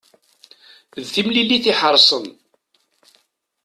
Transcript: D timlilit iḥerṣen.